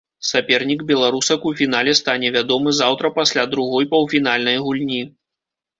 Сапернік беларусак у фінале стане вядомы заўтра пасля другой паўфінальнай гульні.